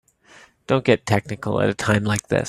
Don't get technical at a time like this.